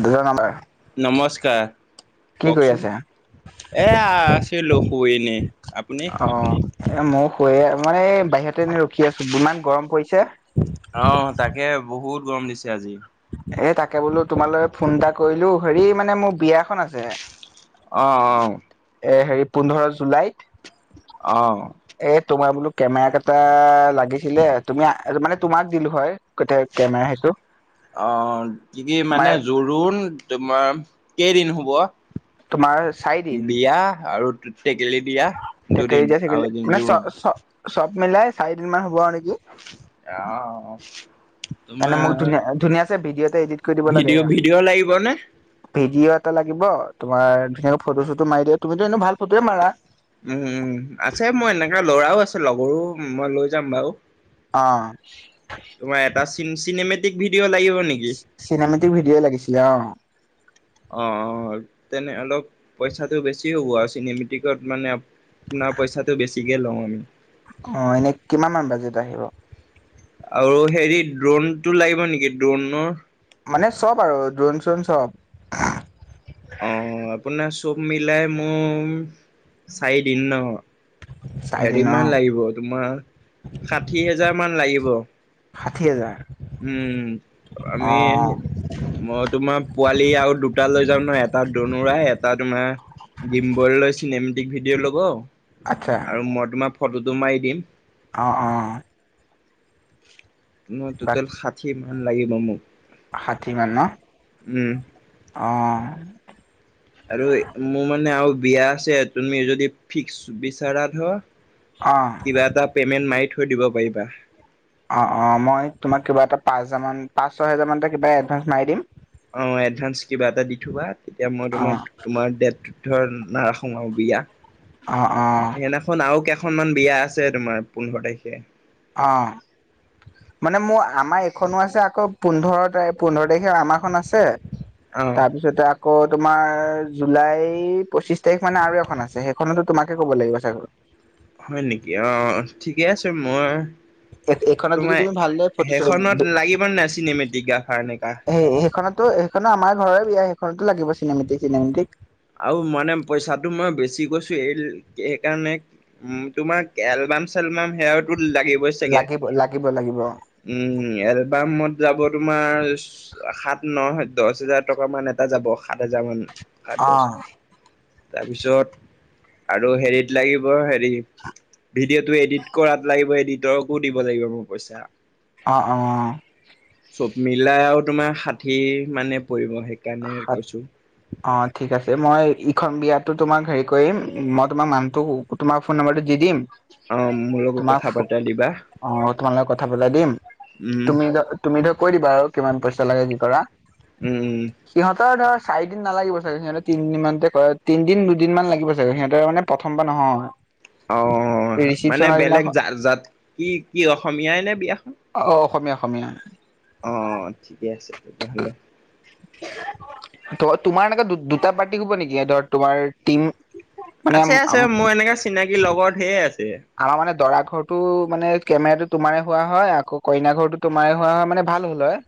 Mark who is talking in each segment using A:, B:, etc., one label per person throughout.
A: দুটা নাম্বাৰ
B: নমস্কাৰ।
A: কি কৰি
B: কওকচোন
A: আছে
B: এ আছিলো শুই এনে আপুনি?
A: অ এ মোৰ শুই এ মানে এই বাহিৰতে এনে ৰখি আছো। ইমান গৰম পৰিছে।
B: আহ, তাকে বহুত গৰম দিছে আজি
A: এ, তাকে বোলো তোমালৈ ফোন এটা কৰিলো হেৰি মানে মোৰ বিয়াখন আছে।
B: অ-অ
A: এ, হেৰি পোন্ধৰ জুলাইত
B: অ
A: এ তোমাৰ বোলো কেমেৰা কেইটা লাগিছিলে। তুমি মানে তোমাক দিলো হয় গোটাই কেমেৰা সেইটো
B: অ, কি-কি মানে জোৰোণ তোমাৰ কেইদিন হব?
A: তোমাৰ চাৰিদিন
B: বিয়া আৰু টেকেলি দিয়া
A: [unintelligible]
B: দুদিন আৰু এদিন
A: মানে
B: জোৰোণ
A: চ-চ চব মিলাই চাৰিদিন মান হব আৰু নেকি
B: আহ,
A: এনে মোক ধুনীয়া ধুনীয়া চে ভিডিঅ'তে এডিট কৰি দিব লাগে সেয়া
B: ভিডিঅ' ভিডিঅ' লাগিবনে
A: ভিডিঅত লাগিব তোমাৰ ধুনীয়াকৈ ফটো চটো মাৰি দিয়া। তুমিতো এনে ভাল ফটোয়ে মাৰা
B: উম-উম আছে মই এনেকা লৰাও আছে লগৰো মই লৈ যাম বাৰু
A: অ,
B: তোমাৰ এটা চিন চিনেমেটিক ভিডিঅ' লাগিব। নেকি
A: চি চিনেমেটিক ভিডিঅ' লাগিছিলে অ
B: অ-অ তেনে অলপ পইচাটো বেছি হ'ব আৰু চিনেমেটিকত মানে আ পোনাৰ পইচাটো বেছি কে লম
A: অ, এনে কিমান মান বাজেত আহিব?
B: আৰু হেৰি ড্ৰোনটো লাগিব নিকি ড্ৰোনৰ
A: মানে চব আৰু দ্ৰোন চ্ৰণ চব
B: অ আপোনাৰ চব মিলাই মোৰ চাৰিদিন ন
A: চাৰে
B: হেৰি
A: তিনি অ
B: মান লাগিব তোমাৰ ষাঠি হেজাৰ মান লাগিব।
A: ষাঠি হাজাৰ
B: উম
A: অ
B: আমি মই তোমাৰ পোৱালি আৰু দুটা লৈ যাম ন এটা দনুৰাই এটা তোমাৰ গিম বল লৈ চিনেমেটিক ভিডিঅ' লব
A: আচ্ছা
B: আৰু মই তোমাৰ ফটোটো মাৰি দিম
A: অ-অ
B: ন টোটেল ষাঠি মান লাগিব মোক
A: ষাঠিমান ন
B: উম
A: অ
B: আৰু মোৰ মানে আৰু বিয়া আছে তুমি যদি ফিক্স বিচাৰা ধ
A: অ
B: কিবা এটা পেমেন্ট মাৰি থৈ দিব পাৰিবা
A: অ অ মই তোমাক কিবা এটা পাঁচ হাজাৰমান পাঁচ ছয় হাজাৰ টা মান কিবা এডভাঞ্চ মাৰি দিম
B: অ, এডভাস কিবা এটা দি থবা তেতিয়া মই
A: অ
B: তোমাৰ-তোমাৰ ডেট ধৰ নাৰা সোমাম বিয়া
A: অ অ
B: সেইদিনাখন আৰু কে এখনমান বিয়া আছে তোমাৰ পোন্ধৰ তাৰিখে
A: অ মানে মোৰ আমাৰ এইখনো আছে আকৌ পোন্ধৰ তাৰিখ পোন্ধৰ তাৰিখে আমাৰখনন আছে।
B: অ
A: তাৰপিছতে আকৌ তোমাৰ জুলাই পঁচিশ তাৰিখ মানে আৰু এখন আছে সেইখনতো তোমাকে ক'ব লাগিব চাগৈ
B: হয় নেকি, অ, ঠিকে আছে মই
A: এইখনত যদি
B: তোমাৰ
A: তুমি ভালদৰে ফটো
B: সেইখনত লাগিব নে নাই চিনেমেটিক গ্ৰাফাৰ এনেকা
A: ত সেইখনো আমাৰ ঘৰৰে বিয়া সেইখনতো লাগিব চিনেমেটিক-চিনেমেটিক
B: আও মানে পইচাটো মই বেছি কৈছো এই সেইকাৰণে তোমাৰ এল [unintelligible] চেলবাম সেয়াো লাগিবই চাগে
A: লাগিব লাগিব লাগিব অ
B: উম এলবামত যাব তোমাৰ সাত ন দহ হোজাৰ টকা মান এটা যাব সাত হাজাৰ মান সাত দহ তাৰপিছত আৰু হেৰিত লাগিব হেৰি ভিডিঅ'টো এডিট কৰাত লাগিব এডিটৰকো দিব লাগিব মোৰ পইচা
A: অ অ
B: চব মিলাই আৰু তোমাৰ ষাঠি মানে পৰিব। সেইকাৰণে কৈছো
A: যে মই ইখন বিয়াতো তোমাক হেৰি কৰিম মই তোমাৰ মানুহটো তোমাৰ ফোন নম্বৰটো দি দিম
B: অ মোৰ লগত
A: তোমাক
B: কথা বাতৰা দিবা
A: অ তোমালোকে কথা পতা দিম
B: উম
A: তুমি ধৰ তুমি ধৰ কৈ দিবা আৰু কিমান পইচা লাগে যি কৰা
B: উম উম
A: সিহঁতৰ ধৰ চাৰি দিন নালাগিব চাগে সিহঁৰ তিনিমানতে তিনদিন দুদিনমান লাগিব চাগে সিহঁতৰ মানে প্ৰথম কম বা নহয়
B: অ মানে
A: ৰিচিপচনৰ
B: বেলেগ
A: দিনাখন
B: জ জাত কি কি অসমীয়াই নে বিয়াখন?
A: অ অ অসমীয়া অসমীয়া,
B: অহ ঠিকে আছে তেতিয়াহলে [inaudible]
A: ত তোমাৰ এনেককা দুটা পাৰ্টি হব নেকি হব তোমাৰ টিম মানে
B: আছে আছে মোৰ এনেকা চিনাকি লগৰ ঢেৰ আছে
A: আমাৰ মানে দৰা ঘৰটো মানে কেমেৰাটো তোমাৰে হোৱা হয় আকৌ কইনা ঘৰো তোমাৰ হোৱা হয় মানে ভাল হল হয়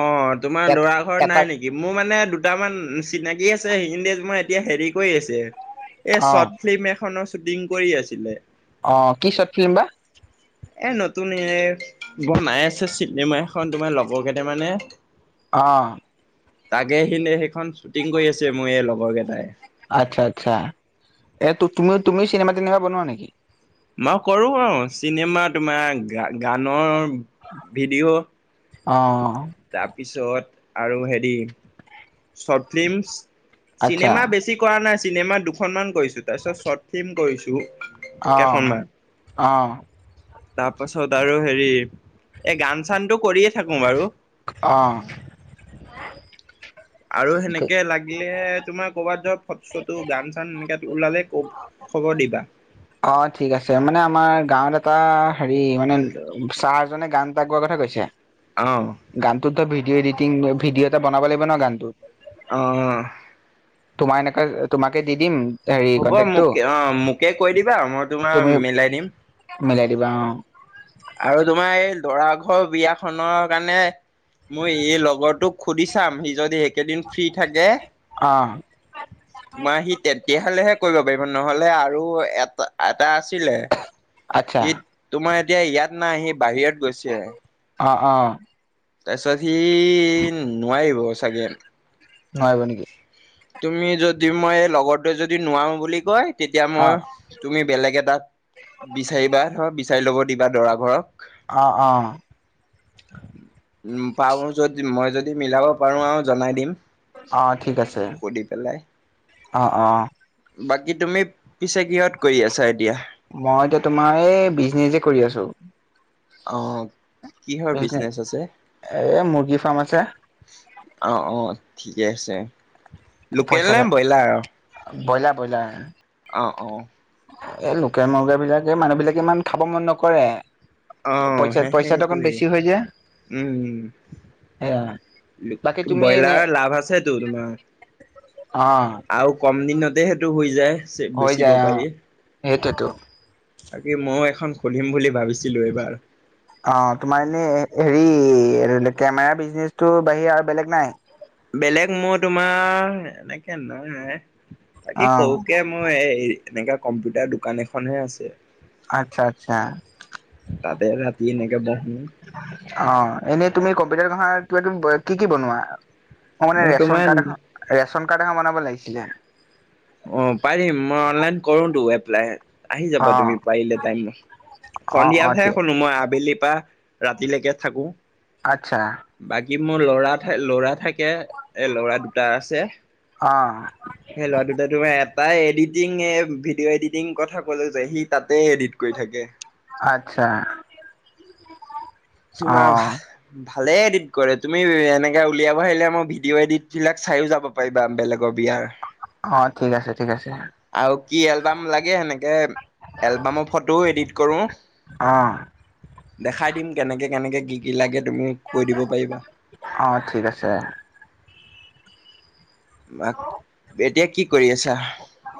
B: অ তোমাৰ
A: এট
B: দৰা ঘৰত
A: এটা
B: নাই নেকি মোৰ মানে দুটামান চিনাকি আছে। মই এতিয়া হেৰি কৰি আছে এই
A: অ
B: শৰ্ট ফিল্ম এখনৰ শ্বুটিং কৰি আছিলে
A: অ' কি চৰ্ট ফিল্ম বা
B: এ নতুন এ বনাই আছে চিনেমা এখন তোমাৰ লগৰ কেইটামানে
A: অ'
B: তাকে আহিলে সেইখন শ্বুটিং কৰি আছে মোৰ এই লগৰ কেইটাই।
A: আচ্ছা-আচ্ছা, এ তুমি-তুমি চিনেমা টিনেমা বনোৱা নেকি?
B: মই কৰোঁ আৰু চিনেমা তোমাৰ গা গানৰ ভিডিঅ'
A: অ'
B: পিছত আৰু হেৰি চৰ্ট ফিল্মছ
A: আচ্ছা
B: চিনেমা বেছি কৰা নাই চিনেমা দুখনমান কৰিছোঁ, তাৰপিছত চৰ্ট ফিল্ম কৰিছোঁ।
A: অ'-অ'
B: তাৰপাছত আৰু হেৰি এই গান চানটো কৰি
A: অ'
B: আৰু
A: অ
B: সেনেকে লাগিলে তোমাৰ কৰবাত ফটো চটো গান চান সেনেকে ওলালে ক খবৰ দিবা।
A: অ' ঠিক আছে মানে আমাৰ গাঁৱত এটা হেৰি মানে ছাৰ এজনে গান এটা গোৱাৰ কথা কৈছে।
B: অ',
A: গানটোত তই ভিডিঅ' এডিটিং ভিডিঅ' এটা বনাব লাগিব ন' গানটোত।
B: অ'
A: তোমাৰ এনেকে তোমাকে দি দিম। হেৰি
B: হ'ব
A: কন্টেক্টটো
B: মোকে অ' মোকে কৈ দিবা মই তোমাৰ
A: তুমি
B: মিলাই দিম।
A: মিলাই দিবা অ।
B: আৰু তোমাৰ এই লৰা ঘৰ বিয়াখনৰ কাৰণে মোৰ এই লগৰটোক সুধি চাম সি যদি একেইদিন ফ্ৰী থাকে
A: অ অ
B: তোমাৰ সি তে তেহালেহে কৰিব পাৰিব নহলে আৰু এটা এটা আছিলে
A: আচ্ছা
B: সি তোমাৰ এতিয়া ইয়াত নাই সি বাহিৰত গৈছে।
A: অ' অ'।
B: তাৰপিছত সি নোৱাৰিব চাগে।
A: নোৱাৰিব নেকি?
B: তুমি যদি মই লগৰ তোৱে যদি নোৱাৰো বুলি কয় তেতিয়া
A: অ
B: মই তুমি বেলেগ এটাত বিচাৰিবা ধৰ বিচাৰি ল'ব দিবা দৰা ঘৰক
A: অ অ
B: পাৰু যদি মই যদি মিলাব পাৰো আৰু জনাই দিম।
A: অ ঠিক আছে।
B: সুধি পেলাই।
A: অ' অ'।
B: বাকী তুমি পিছে কিহঁত কৰি আছা এতিয়া?
A: মই এতিয়া তোমাৰ এই বিজনেচে কৰি আছো।
B: অঁ। কিহৰ
A: বিজনে
B: বিজনেচ আছে
A: এ মুৰ্গী ফাৰ্ম আছে
B: অঁ, অঁ। ঠিকে আছে লোকেল
A: পইচা
B: নে ব্ৰইলাৰ আৰু।
A: Broiler- broiler. এ লোকেল মুৰ্গী বিলাক এই মানুহ বিলাকে ইমান খাব মন নকৰে।
B: অ'
A: পইচা
B: সেয়ে
A: পইচাটো অকণ
B: সেইটোৱেই
A: বেছি হৈ যায়
B: উম,
A: সেয়া বাকী তুমি এনে
B: ব্ৰইলাৰৰ লাভ আছেতো তোমাৰ
A: অ
B: আৰু কম দিনতে সেইটো হৈ যায়।
A: হৈ
B: বেচিব
A: যায় অ
B: পাৰি
A: সেইটোৱেতো
B: বাকি মই এখন শুনিম বুলি ভাবিছিলো এইবাৰ
A: অ তোমাৰ এনে হেৰি কেমেৰা বিজনেচটো বাহিৰে আৰু বেলেগ নাই।
B: বেলেগ মই তোমাৰ এনেকে নহয়।
A: অ
B: বাকী সৰুকে মই এই এনেকা কম্পিউটাৰ দোকান এখনহে আছে।
A: আচ্ছা-আচ্ছা,
B: কি এনেকে বহ
A: অ' এনেই তুমি কম্পিউটাৰ ভাষা কিবা কি-কি বনোৱা। অ' মানে
B: মই
A: ৰেচন
B: তোমাৰ
A: কাৰ্ড এখন ৰেচন কাৰ্ড এখন বনাব লাগিছিলে।
B: অ' পাৰিম মই অনলাইন কৰো টো এপ্লাই আহি
A: অ
B: যাবা তুমি পাৰিলে টাইম ন
A: অ অ
B: সন্ধিয়াতহে
A: ঠিক
B: শুনো মই আবেলিৰ পৰা। ৰাতিলৈকে থাকো।
A: আচ্ছা,
B: কি মোৰ লৰা থ ল'ৰা থাকে এ ল'ৰা দুটা আছে।
A: অ
B: এটাাই এডিতিঙয়ে ভিডিঅ' এডিটিং কথা ক'লো যে সি তাতে এডিট কৰি থাকে।
A: আচ্ছা, অ
B: তোমাৰ ভাল। ভালেই এডিট কৰে তুমি এনেকৈ উলিয়াব আহাৰিলে মই ভিডিঅ' এডিটবিলাক চায়ো যাব পাৰিবা বেলেগৰ বিয়াৰ।
A: অ' ঠিক আছে। ঠিক আছে
B: আৰু কি এলবাম লাগে সেনেকে এলবামৰ ফটোও এডিট কৰো।
A: অ',
B: দেখাই দিম কেনেকে-কেনেকে কি-কি লাগে? তুমি কৈ দিব পাৰিবা।
A: অ ঠিক আছে
B: এতিয়া কি কৰি আছা?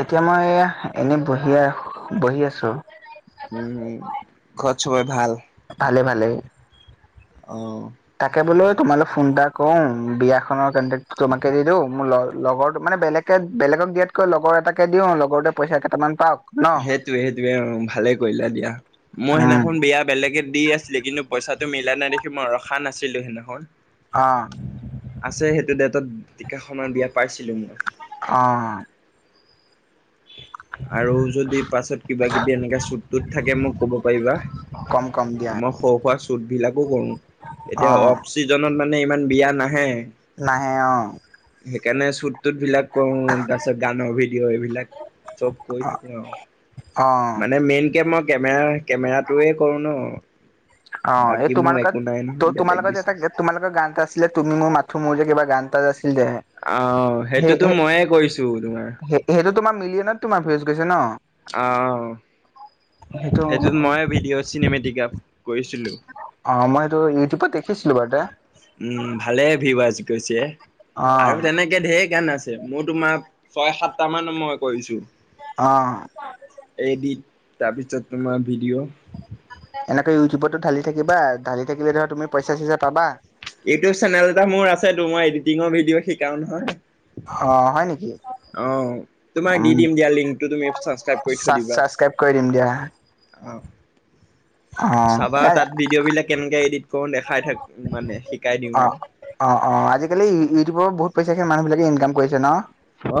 A: এতিয়া মই এনে বহিয়া বহি আছো।
B: উম, হম ঘৰত চবৰে ভাল।
A: ভালে ভালে।
B: অ',
A: তাকে বোলে তোমাল ফোন এটা কৰ বিয়াখনৰ কে্ তোমাকে দি দিওঁ মোৰ লগৰটো মানে। বেলেকে-বেলেগক দিয়াতকৈ লগৰ এটাকে দিও লগৰতে পইচা কেইটামান পাও।
B: সেইটোৱে-সেইটোৱে অ' ভালে কৰিলা দিয়া মই
A: উম
B: সেইদিনাখন বেয়া বেলেগে দি আছিলে কিন্তু। পইচাটো মিলা নাই দেখি মই ৰখা নাছিলোঁ নহয়
A: অ
B: আছে সেইটো ডেটত, তিকা সমান বিয়া পাইছিলো মই।
A: অ',
B: আৰু যদি পাছত কিবা কিবি এনেকা স্বুততুত থাকে মোক কব পাৰিবা।
A: কম কম দিয়া
B: মই সৰুপৰা স্বুত বিলাকো কৰো
A: অ
B: এতিয়া অফ চিজনত মান। মানে ইমান বিয়া নাহে।
A: নাহে অ',
B: কেনে স্বুততুত বিলাক কৰু তাৰপিছত গানৰ ভিডিঅ' এইবিলাক চব কৰি থাকো আৰু
A: অ
B: মানে মেইনকে মই। কেমেৰা-কেমেৰাটোৱে কৰো ন।
A: অ' এই
B: বাকী মোৰ একো নাই
A: তোমালোকত
B: নহয় বেলেগ
A: তোমালোকৰ যে এটা
B: বিজনেছ।
A: তোমালোকৰ গান এটা আছিলে তুমি মোৰ মাথো মোৰ যে কিবা। গানটা যে আছিল যে।
B: আহ সেইটোতো
A: সেই
B: ময়ে কৰিছো তোমাৰ
A: সেইটো তোমাৰ মিলিয়ে নত তোমাৰ ভিউজ। গৈছে ন।
B: অহ, সেইটোত
A: সেইটো
B: মই ভিডেও চিনেমেটেকাপ কৈছিলো
A: অ মই এইটো ইউটিউবত দেখিছিলো বাৰুতে
B: উম, ভালেই ভিয়োজ গৈছে
A: অ
B: আৰু তেনেকে ধেৰ গান আছে মোৰ তোমাৰ ছয় সাতটামান মই কৰিছো।
A: অ
B: এডিট তাৰপিছত তোমাৰ ভিডিঅ'
A: এনেকৈ ইউটিউবতো ঢালি থাকিবা ঢালি থাকিলে ধৰ তুমি পইচা চইচা পাবা।
B: ইউটিউব চেনেল এটা মোৰ আছে মই এডিটিঙৰ ভিডিঅ শিকাও নহয়।
A: অ, হয় নেকি?
B: অ, তোমাক দি
A: উম
B: দিম দিয়া লিংকটো তুমি ছাবস্ক্ৰাইব কৰি থৈ দিবা।
A: ছাবস্ক্ৰাইব কৰি দিম দিয়া
B: অহ ',
A: [inaudible]
B: চাবা
A: এ
B: তাত ভিডিঅ' বিলাক কেনেকে এডিট কৰো দেখাই থাক মানে শিকাই দিও
A: অ
B: আৰু।
A: অ - অ আজিকালি ইউটিউবৰ বহুত পইচা সে মানুহ বিলাকে ইনকাম কৰিছে ন।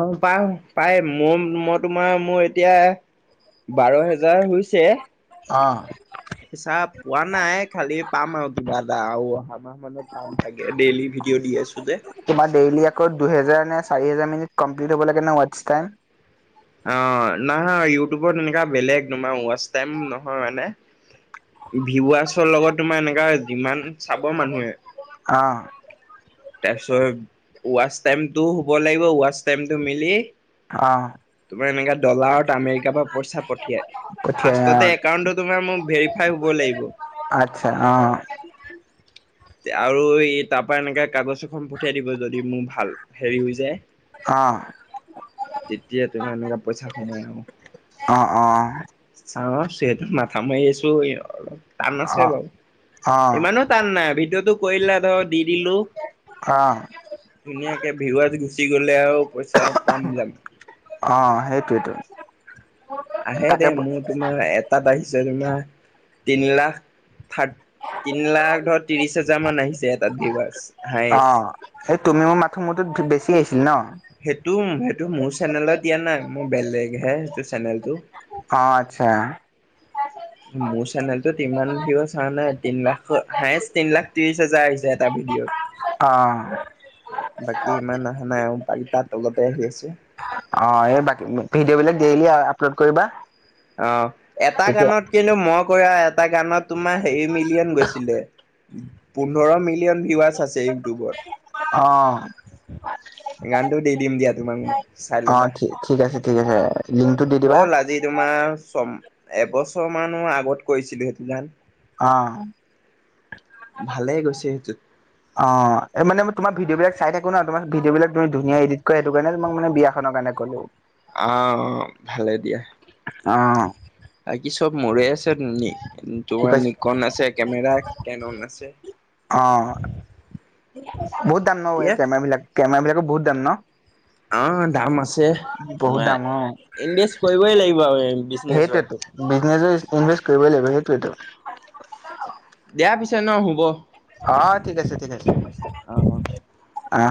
B: অ, পা - পাই মোৰ মই তোমাৰ মোৰ এতিয়া বাৰ হেজাৰ হৈছে।
A: অ',
B: পইচা পোৱা নাই খালি পাম আৰু কিবা এটা আৰু অহামাহ মানত পাম চাগে ডেইলি ভিডিঅ' দি আছো যে।
A: তোমাৰ ডেইলি আকৌ দুহেজাৰ নে চাৰি হেজাৰ মিনিট কমপ্লিট হ'ব লাগে ন ৱাটচ টাইম।
B: অ, নাহৈ ইউটিউবত এনেকুৱা বেলেগ তোমাৰ ৱাটচ টাইম নহয় মানে। ভিৱাৰ্চৰ লগত তোমাৰ এনেকা যিমান চাব মানুহে
A: অহ ',
B: তাৰপিছত ৱচ টাইমটো হব লাগিব ৱচ টাইমটো মিলি
A: অ',
B: ত এনেকা ডলাৰত আমেৰিকা পৰা পইছা পঠিয়াই
A: পঠিয়াই অ
B: ফাৰ্ষ্টততে একাউণ্টটো তোমাৰ মুৰ ভেৰিফাই হব লাগিব।
A: আচ্ছা অ,
B: আৰু এই তাৰ পৰা এনেকে কাগজ এখন পঠিয়াই দিব যদি মোৰ ভাল হেৰি হৈ যায়।
A: অ',
B: তেতিয়া তোমাৰ এনেকুৱা পইচা সোমাই আৰু।
A: অ অ
B: চাও ৰ সিহেতৰ মাথা মাৰি আছো অলপ টান আছে
A: অ
B: বাৰু
A: অ',
B: ইমানো টান নাই আবি টো কৰিলা ধৰ দি দিলো
A: অ'।
B: ধুনীয়াকে ভিৱাৰ্ছ গুচি গলে আৰু পইচা পাম যাম।
A: অ', সেইটোৱেতো
B: আহে
A: তাকে
B: দেই
A: ব
B: মোৰ তোমাৰ এটাত আহিছে তোমাৰ তিন লাখ থাৰ তিন লাখ ধৰ ত্ৰিশ হাজাৰ মান আহিছে এটা ভিৱাৰ্ছ
A: অ, এই তুমি মোৰ মাথো মত বেছি আহিছিল ন।
B: সেইটো- সেইটো মোৰ চেনেলত দিয়া নাই মোৰ বেলেগ হে সেইটো চেনেলটো।
A: আচ্ছা।
B: মোৰ চেনেলটোত ইমান ভিউ চ নাই তিন লাখ হায়েছ তিন লাখ ত্ৰিশ হাজাৰ আহি হৈছে এটা ভিডিঅ'।
A: অহ ',
B: বাকী ইমান অহা নাই আৰু বাকী তাত তলতে আহি আছে।
A: অ', এই বাকী ভিডিঅ' বিলাক ডেইলি আপলোড কৰিবা।
B: অ, এটা
A: তেতিয়া
B: গানত কিন্তু মই কৰি আৰু এটা গানত তোমাৰ হেৰি মিলি মিলিয়ন গৈছিলে পোন্ধৰ মিলিয়ন ভিউৱাৰচ আছে ইউটিউবত।
A: অ',
B: ইমান
A: অ, ঠিক আছে - ঠিক আছে। লিংকটো দি দিবা
B: হ'ল আজি তোমাৰ ছম এবছৰ মানৰ আগত কৰিছিলো সেইটো জান
A: অ',
B: ভালেই গৈছে সেইটোত।
A: অ, এই মানে তোমাৰ ভিডিঅ বিলাক চাই থাকো না, তোমাৰ ভিডিঅ বিলাক তুমি ধুনীয়া এডিট কৰা সেইটো কাৰনে তোমাক মানে বিয়াখনত কাৰণে ক'লো
B: অ' ভালে দিয়া।
A: অ',
B: আৰু কি চব মোৰে আছে নি?
A: কি
B: তোমাৰ
A: কৈছে
B: নিকন আছে কেমেৰা কেনন আছে।
A: অ বহুত দাম ন,
B: দিয়া
A: এই কেমেৰা বিলাক কেমেৰা বিলাকো বহুত দাম ন?
B: অ', দাম আছে। আছে
A: বহুত
B: তোমাৰ
A: দাম অ
B: ইনভেষ্ট কৰিবই লাগিব আৰু বিজনেচৰ।
A: সেইটোৱেতো বিজনেচত ইনভেষ্ট কৰিবই লাগিব সেইটোৱেতো।
B: দিয়া পিছে ন শুব।
A: অ', ঠিক আছে ঠিক আছে।
B: অ'।
A: আ,